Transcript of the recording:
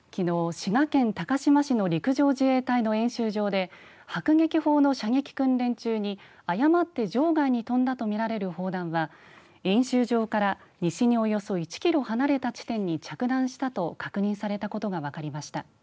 滋賀県高島市の陸上自衛隊の演習場で迫撃砲の射撃訓練中に誤って場外に飛んだとみられる砲弾は演習場から西におよそ１キロ離れた地点に着弾したと確認されたことが分かりました。